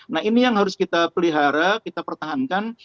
nah ini yang harus kita pelihara kita pertahankan